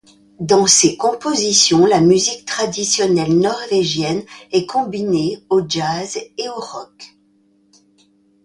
Dans ses compositions, la musique traditionnelle norvégienne est combinée au jazz et au rock.